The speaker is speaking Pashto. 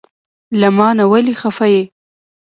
له مانه ولې خفه یی؟